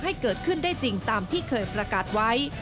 ให้เกิดขึ้นได้จริงตามที่เคยประกาศไว้